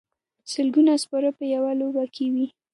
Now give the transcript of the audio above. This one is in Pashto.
سلګونه سپاره په یوه لوبه کې وي.